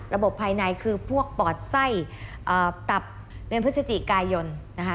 ระบบภายในคือพวกปอดไส้ตับเงินพฤศจิกายน